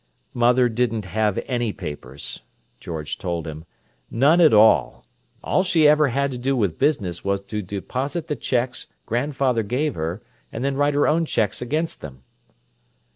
"Mother didn't have any papers," George told him. "None at all. All she ever had to do with business was to deposit the cheques grandfather gave her and then write her own cheques against them."